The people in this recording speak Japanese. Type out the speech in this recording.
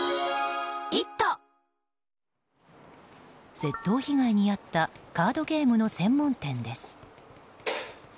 窃盗被害に遭ったカードゲームの専門店です。